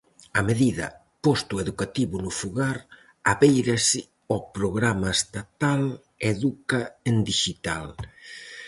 A medida Posto Educativo no Fogar abéirase ao programa estatal Educa en Dixital.